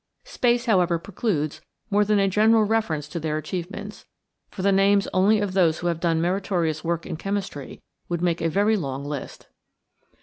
Space, however, precludes more than a general reference to their achievements, for the names only of those who have done meritorious work in chemistry would make a very long list.